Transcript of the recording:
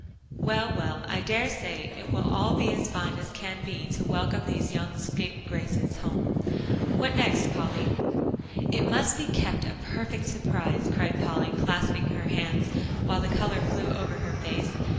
"Well, well, I dare say it will all be as fine as can be to welcome these young scapegraces home. What next, Polly?" "It must be kept a perfect surprise," cried Polly, clasping her hands while the color flew over her face.